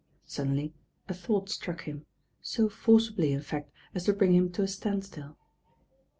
Suddenly a thought struck him, so forcibly in fact as to bring him to a standstill.